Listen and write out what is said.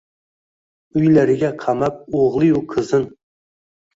Uylariga qamab o’g’liyu qizin